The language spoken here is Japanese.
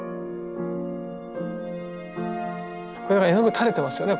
絵の具垂れてますよね。